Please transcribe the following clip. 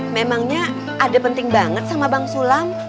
memangnya ada penting banget sama bang sulam